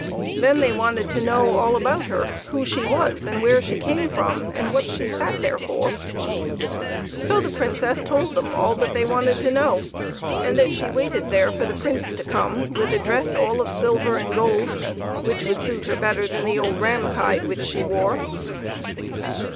Then they wanted to know all about her who she was, and where she came from, and what she sat there for. So the Princess told them all that they wanted to know, and that she waited there for the Prince to come with a dress all of silver and gold, which would suit her better than the old ram's hide which she wore.